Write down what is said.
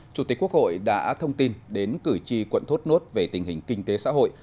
chủ tịch quốc hội đã thông tin đến cử tri quận thốt nốt về tình hình kinh tế xã hội